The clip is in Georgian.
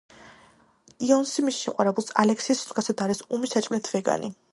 იოუნსი მისი შეყვარებულის, ალექსის მსგავსად არის უმი საჭმლით ვეგანი.